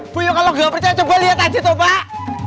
buyo kalau gak percaya coba lihat aja tuh pak